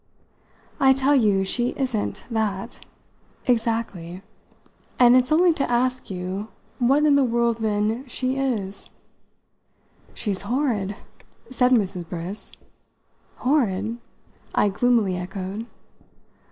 "I tell you she isn't, that!" "Exactly; and it's only to ask you what in the world then she is." "She's horrid!" said Mrs. Briss. "'Horrid'?" I gloomily echoed.